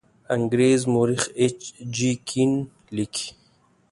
انګریز مورخ ایچ جي کین لیکي.